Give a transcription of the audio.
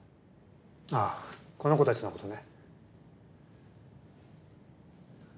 あこの子たちのことね。